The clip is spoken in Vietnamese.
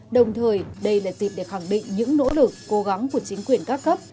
đồng thời đây là dịp để khẳng định những nỗ lực cố gắng của chính quyền các cấp